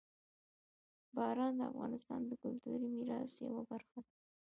باران د افغانستان د کلتوري میراث یوه برخه ده.